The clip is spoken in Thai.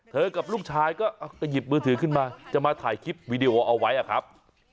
กับลูกชายก็ไปหยิบมือถือขึ้นมาจะมาถ่ายคลิปวีดีโอเอาไว้อะครับ